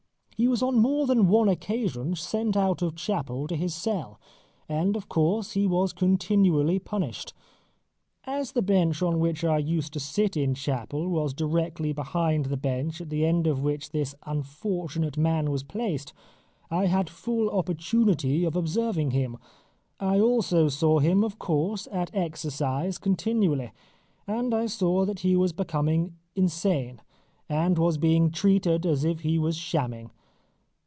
He was on more than one occasion sent out of chapel to his cell, and of course he was continually punished. As the bench on which I used to sit in chapel was directly behind the bench at the end of which this unfortunate man was placed, I had full opportunity of observing him. I also saw him, of course, at exercise continually, and I saw that he was becoming insane, and was being treated as if he was shamming.